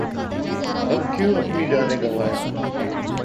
ہم کیوں اپنی جانیں گنوائیں ۔